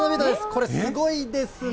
これ、すごいですね。